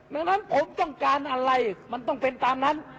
ดังนั้นผมต้องการอะไรมันต้องเป็นตามนั้น